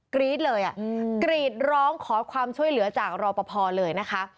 กรี๊ดเลยอ่ะกรีดร้องขอความช่วยเหลือจากรอปภเลยนะคะ